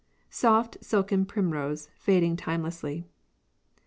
"Soft, silken primrose, fading timelessly!"